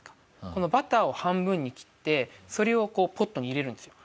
このバターを半分に切ってそれをこうポットに入れるんですよ。